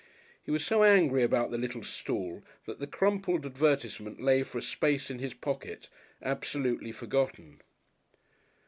He was so angry about the little stool that the crumpled advertisement lay for a space in his pocket, absolutely forgotten.